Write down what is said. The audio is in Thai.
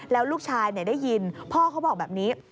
แล้วลูกชายได้ยินพ่อเขาบอกแบบนี้